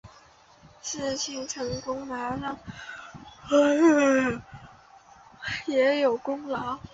事情成功马上说自己也有功劳